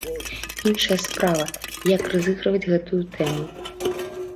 Іншая справа, як разыгрываць гэтую тэму?